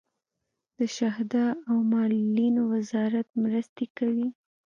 د شهدا او معلولینو وزارت مرستې کوي